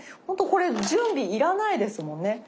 ほんとこれ準備いらないですもんね。